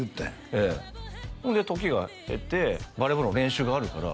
ええほんで時が経て「バレーボールの練習があるから」